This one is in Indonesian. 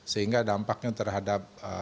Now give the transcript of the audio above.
sehingga dampaknya terhadap